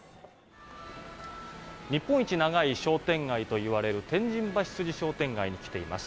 日本一長い商店街といわれる天神橋筋商店街に来ています。